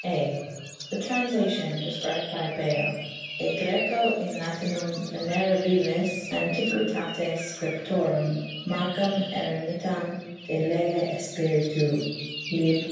{a) The Translation, described by Bale, "e Grsco in Lati num venerabilis antiquitatis scriptorem, Marcum Eremitam de lege et spiritu, lib.